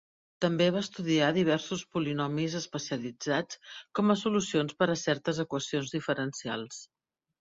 També va estudiar diversos polinomis especialitzats com a solucions per a certes equacions diferencials.